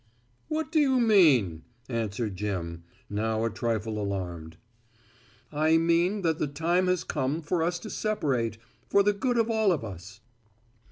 "What do you mean!" answered Jim, now a trifle alarmed. "I mean that the time has come for us to separate, for the good of all of us."